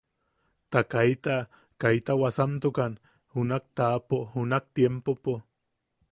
Ta kaita kaita wasamtukan junak taapo junak tiempopo.